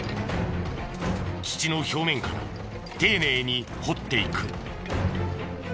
土の表面から丁寧に掘っていく。